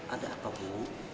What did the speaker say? ada apa bu